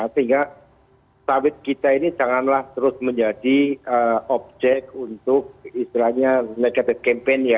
sehingga sawit kita ini janganlah terus menjadi objek untuk istilahnya negatif campaign ya